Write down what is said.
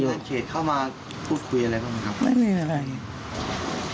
เคลียร์เข้ามาพูดคุยอะไรบ้างครับครับ